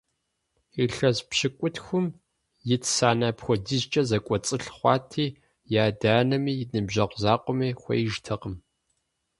Илъэс пщыкӏутхум ит Санэ апхуэдизкӀэ зэкӀуэцӀылъ хъуати, и адэ-анэми, и ныбжьэгъу закъуэми хуеижтэкъым.